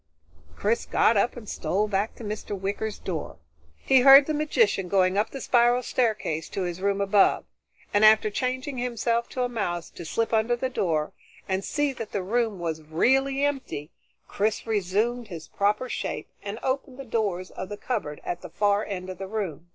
Chris got up and stole back to Mr. Wicker's door. He heard the magician going up the spiral staircase to his room above, and after changing himself to a mouse to slip under the door and see that the room was really empty, Chris resumed his proper shape and opened the doors of the cupboard at the far end of the room.